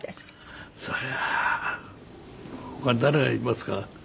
そりゃあ他に誰がいますか？